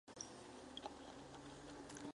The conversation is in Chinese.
在晋官至安西参军。